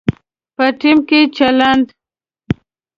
په ټیم کې چلند